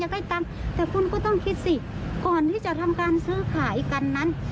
ได้ตังค์แต่คุณก็ต้องคิดสิก่อนที่จะทำการซื้อขายกันนั้น